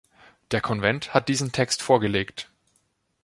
Der Konvent hat diesen Text vorgelegt.